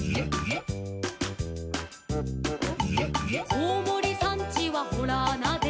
「こうもりさんちはほらあなで」